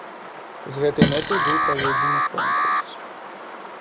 З гэтай мэтай быў праведзены конкурс.